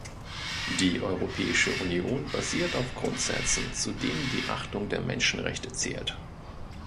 Die Europäische Union basiert auf Grundsätzen, zu denen die Achtung der Menschenrechte zählt.